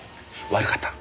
悪かった。